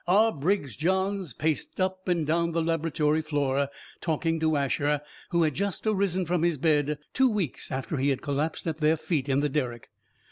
R. Briggs Johns paced up and down the laboratory floor, talking to Asher, who had just arisen from his bed, two weeks after he had collapsed at their feet in the derrick.